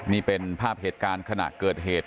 นี่เป็นภาพเหตุการณ์ขณะเกิดเหตุ